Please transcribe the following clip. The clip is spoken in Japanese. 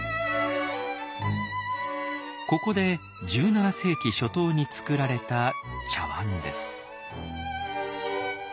ここで１７世紀初頭に作られた茶碗です。